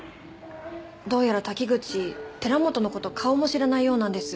どうやら滝口寺本の事顔も知らないようなんです。